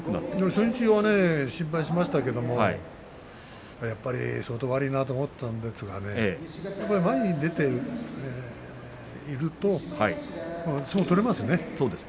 初日は心配しましたけれども、やっぱり相当悪いなと思ったんですが前に出ていると相撲が取れますね。